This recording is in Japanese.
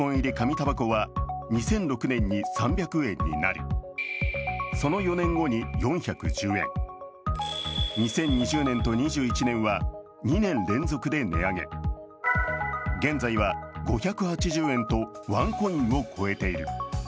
たばこは２００６年に３００円になりその４年後に４１０円、２０２０年と２０２１年は２年連続で値上げ、現在は５８０円とワンコインを超えている。